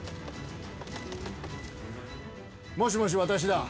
もしもし私だ。